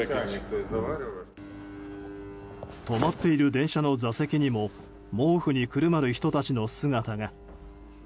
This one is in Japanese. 止まっている電車の座席にも毛布にくるまる人たちの姿が。